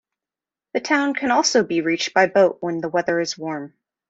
The town can also be reached by boat when the weather is warm.